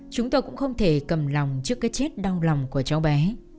chúng tôi cũng không thể cầm lòng trước cái chết đau lòng của cháu bé